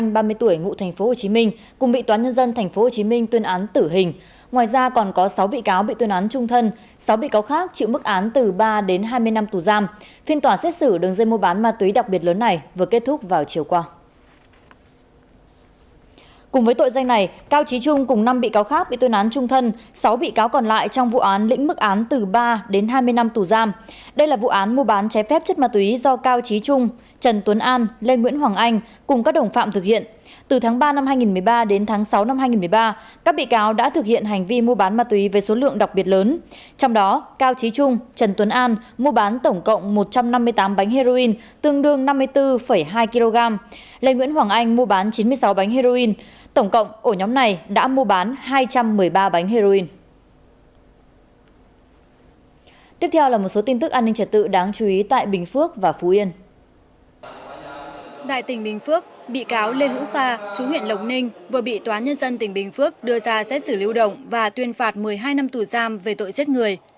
đại tỉnh bình phước bị cáo lê hữu kha chú huyện lộc ninh vừa bị tòa nhân dân tỉnh bình phước đưa ra xét xử lưu động và tuyên phạt một mươi hai năm tù giam về tội giết người